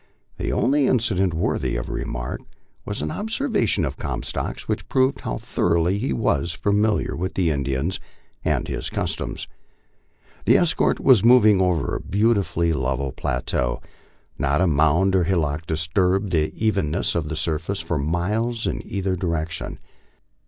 The only incident worthy of remark was an observation of Comstock's, which proved how thoroughly he was familiar with the Indian and his customs. The escort was moving over a beautifully level plateau. Not a mound or hillock disturbed the evenness of the surface for miles in either direction.